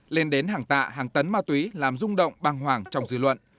lên đến hàng tạ hàng tấn ma túy làm rung động băng hoàng trong dư luận